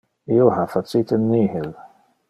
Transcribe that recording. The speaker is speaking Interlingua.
Io ha facite nihil.